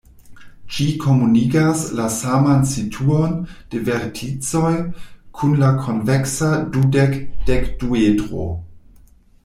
Ĝi komunigas la saman situon de verticoj kun la konveksa dudek-dekduedro.